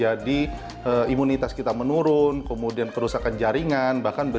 tapi jika jumlahnya berlebihan kita akan menurun ke dalam tubuh ini akan berusakan jaringan bahkan bisa beresiko pada kanker